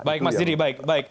baik mas didi baik